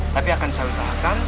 tapi akan saya usahakan